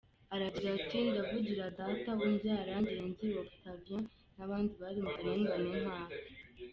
Aragira ati “Ndavugira Data umbyara, Ngenzi Octavien n’abandi bari mu karengane nk’ake.